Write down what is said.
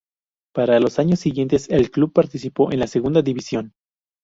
Para los años siguientes el club, participó en la segunda división.